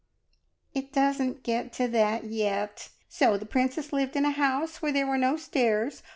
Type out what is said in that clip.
"It doesn't get to that yet. So the princess lived in a house where there were no stairs.